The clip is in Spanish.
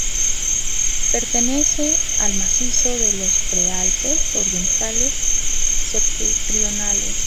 Pertenece al macizo de los pre-Alpes orientales septentrionales.